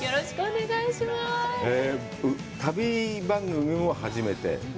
旅番組も初めて？